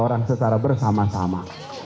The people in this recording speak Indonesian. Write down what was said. orang secara bersama sama